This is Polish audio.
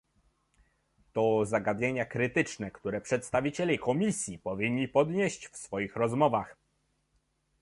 To zagadnienia krytyczne, które przedstawiciele Komisji powinni podnieść w swoich rozmowach